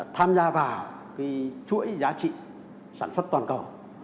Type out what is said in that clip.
tham gia vào chuỗi giá trị sản xuất toàn cầu